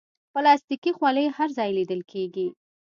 پلاستيکي خولۍ هر ځای لیدل کېږي.